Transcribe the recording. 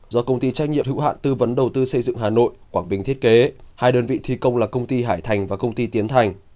do công ty trách nhiệm hữu hạn tư vấn đầu tư xây dựng hà nội quảng bình thiết kế hai đơn vị thi công là công ty hải thành và công ty tiến thành